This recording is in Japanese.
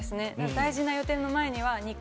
大事な予定の前には２回。